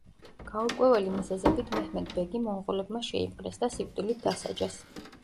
გაურკვეველი მიზეზებით მეჰმედ ბეგი მონღოლებმა შეიპყრეს და სიკვდილით დასაჯეს.